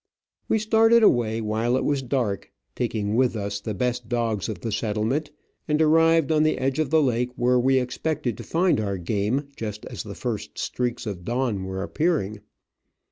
We started away while it was dark, taking with us the best dogs of the setdement, and arrived on the Digitized by VjOOQIC OF AN Orchid Hunter, 185 edge of the lake where we expected to find our game just as the first streaks of dawn were appearing.